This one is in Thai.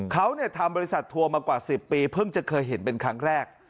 เขาทำบริษัททัวร์มากว่า๑๐ปีเพิ่งจะเคยเห็นเป็นครั้งแรก